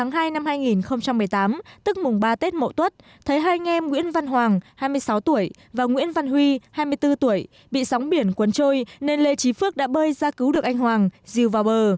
ngày một mươi tám tháng hai năm hai nghìn một mươi tám tức mùng ba tết mộ tuất thấy hai anh em nguyễn văn hoàng hai mươi sáu tuổi và nguyễn văn huy hai mươi bốn tuổi bị sóng biển cuốn trôi nên lê trí phước đã bơi ra cứu được anh hoàng dìu vào bờ